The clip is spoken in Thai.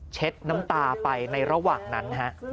น้ำตาไปในระหว่างนั้นฮะ